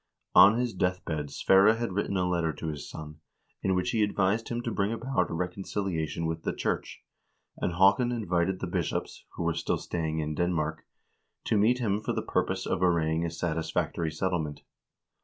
On his death bed Sverre had written a letter to his son, in which he advised him to bring about a reconciliation with the church, and Haakon invited the bishops, who were still staying in Denmark, to meet him for the purpose of arranging a satisfactory settlement.